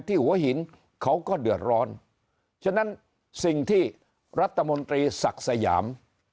หัวหินเขาก็เดือดร้อนฉะนั้นสิ่งที่รัฐมนตรีศักดิ์สยาม